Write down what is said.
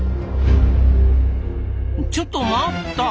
ちょっと待った！